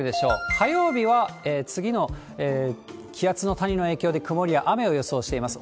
火曜日は次の気圧の谷の影響で、曇りや雨を予想しています。